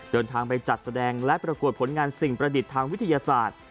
เดินทางไปจัดแสดงและประกวดผลงานสิ่งประดิษฐ์ทางวิทยาศาสตร์